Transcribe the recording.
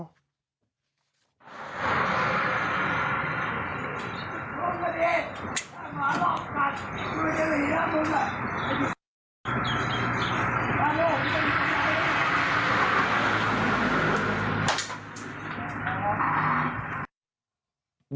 ว้าวโหมันเป็นไง